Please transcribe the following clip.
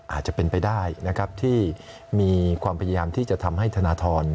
อาจจะเป็นไปได้นะครับที่มีความพยายามที่จะทำให้ธนทร